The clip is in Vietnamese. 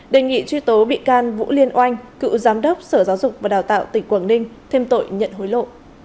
đề nghị truy tố bị can vũ liên oanh cựu giám đốc sở giáo dục và đào tạo tỉnh quảng ninh thêm tội nhận hối lộ